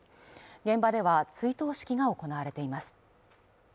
現場では追悼式が行われています。